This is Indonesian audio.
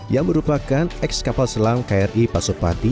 yang merupakan ex kapal selam kri pasopati